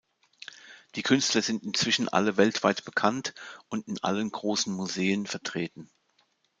Die Künstler sind inzwischen alle weltweit bekannt und in allen großen Museen vertreten.